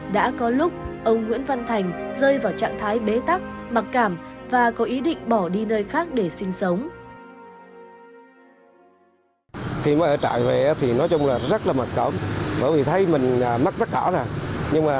đã có lúc ông nguyễn văn thành rơi vào trạng thái bế tắc mặc cảm và có ý định bỏ đi nơi khác để sinh sống